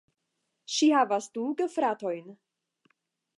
Ŝi havas du gefratojn.